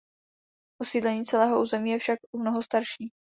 Osídlení celého území je však o mnoho starší.